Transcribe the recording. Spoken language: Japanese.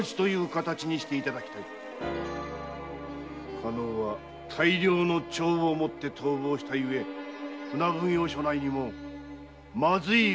加納は大量の帳簿を持って逃亡したゆえ船奉行所内にもまずい噂が出始めております。